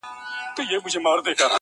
دا ویده پښتون له خوبه پاڅومه-